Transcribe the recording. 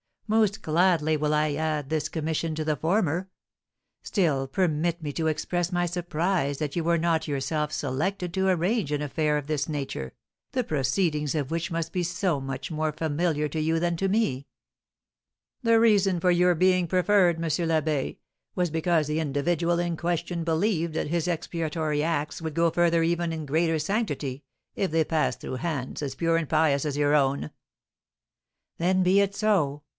Most gladly will I add this commission to the former; still permit me to express my surprise that you were not yourself selected to arrange an affair of this nature, the proceedings of which must be so much more familiar to you than to me." "The reason for your being preferred, M. l'Abbé, was because the individual in question believed that his expiatory acts would go forth even in greater sanctity if they passed through hands as pure and pious as your own." "Then be it so!